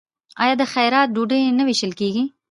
آیا د خیرات ډوډۍ نه ویشل کیږي؟